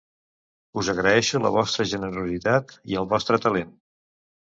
Us agraeixo la vostra generositat i el vostre talent.